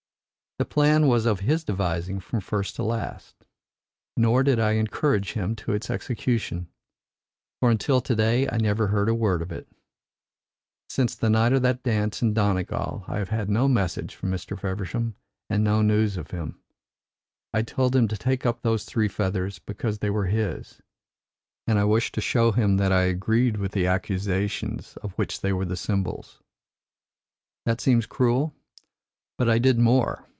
"The plan was of his devising from first to last. Nor did I encourage him to its execution. For until to day I never heard a word of it. Since the night of that dance in Donegal I have had no message from Mr. Feversham, and no news of him. I told him to take up those three feathers because they were his, and I wished to show him that I agreed with the accusations of which they were the symbols. That seems cruel? But I did more.